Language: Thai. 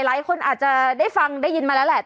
หลายคนอาจจะได้ฟังได้ยินมาแล้วแหละ